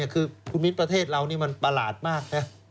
คือคุณมิ้นประเทศเรานี่มันประหลาดมากนะ